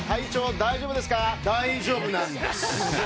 大丈夫なんです。